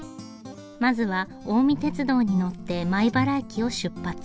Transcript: まずは近江鉄道に乗って米原駅を出発。